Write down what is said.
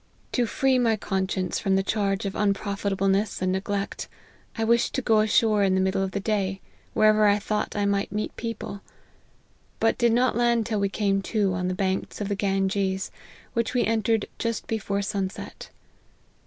To free my con 82 LIFE OF HENRY MARTYN. science from the charge of unprofitableness and neglect, I wished to go ashore in the middle of the day, wherever I thought I might meet people ; but did not land till we came to, on the banks of the Ganges, which we entered just before sunset.